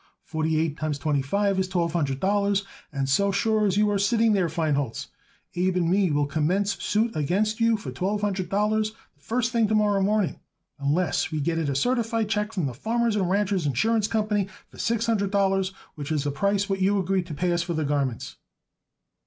Forty eight times twenty five is twelve hundred dollars, and so sure as you are sitting there, Feinholz, Abe and me will commence suit against you for twelve hundred dollars the first thing to morrow morning, unless we get it a certified check from the Farmers and Ranchers' Insurance Company for six hundred dollars, which is the price what you agreed to pay us for the garments."